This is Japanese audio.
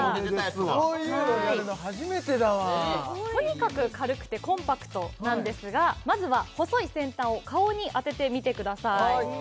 こういうのをやるの初めてだわとにかく軽くてコンパクトなんですがまずは細い先端を顔に当ててみてください